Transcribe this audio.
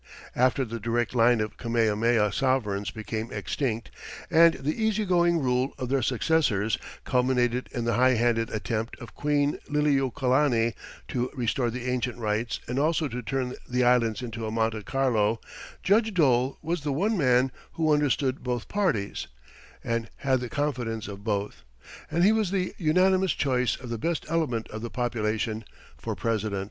After the direct line of Kamehameha sovereigns became extinct, and the easy going rule of their successors culminated in the high handed attempt of Queen Liliuokalani to restore the ancient rites and also to turn the island into a Monte Carlo, Judge Dole was the one man who understood both parties and had the confidence of both, and he was the unanimous choice of the best element of the population for president.